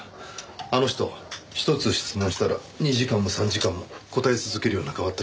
あの人１つ質問したら２時間も３時間も答え続けるような変わった人で。